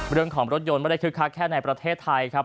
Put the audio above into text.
เรื่องของรถยนต์ไม่ได้คือค่าแค่ในประเทศไทยครับ